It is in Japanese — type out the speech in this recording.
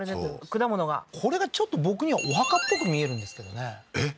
果物がこれがちょっと僕にはお墓っぽく見えるんですけどねえっ？